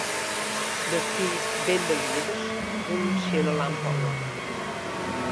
De fiif bindelieders rûnen tsjin 'e lampe oan.